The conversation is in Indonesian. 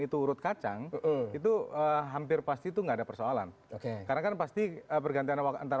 itu urut kacang itu hampir pasti itu enggak ada persoalan karena kan pasti pergantianak antar